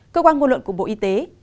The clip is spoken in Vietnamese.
cơ quan ngôn luận của bộ y tế